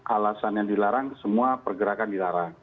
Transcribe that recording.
alasan yang dilarang semua pergerakan dilarang